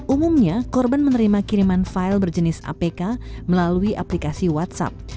umumnya korban menerima kiriman file berjenis apk melalui aplikasi whatsapp